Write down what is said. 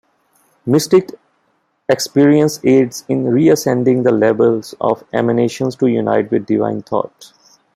Mystic experience aids in reascending the levels of emanations to unite with Divine Thought.